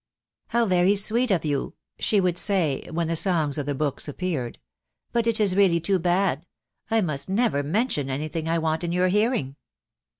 "How very sweet of you," she would say, when the songs or the books appeared, " but it is really too bad — I must never mention anything I want in your hearing.